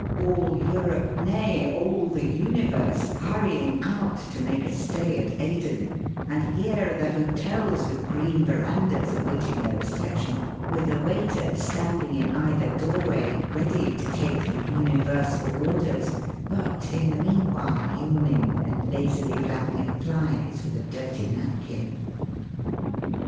All Europe, nay, all the universe, hurrying out to make a stay at Aden, and here are the hotels with green verandahs awaiting their reception, with a waiter stand ing in either doorway ready to take the universal orders, but in the meanwhile yawn ing, and lazily flapping at flies with a dirty napkin.